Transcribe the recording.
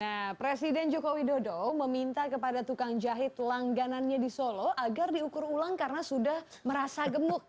nah presiden joko widodo meminta kepada tukang jahit langganannya di solo agar diukur ulang karena sudah merasa gemuk